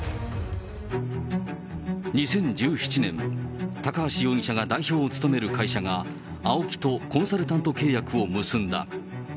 ２０１７年、高橋容疑者が代表を務める会社がＡＯＫＩとコンサルタント契約を結んだ。